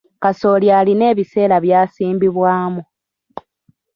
Kasooli alina ebiseera by’asimbibwamu.